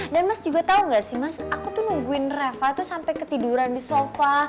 dan mas juga tau gak sih mas aku tuh nungguin reva tuh sampe ketiduran di sofa